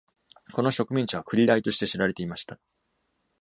この植民地は、「クリライ」として知られていました。